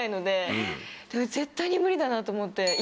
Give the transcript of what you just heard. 絶対に無理だなと思って。